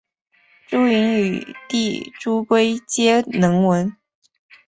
朱筠与弟朱圭皆能文。